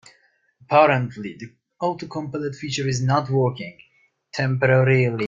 Apparently, the autocomplete feature is not working temporarily.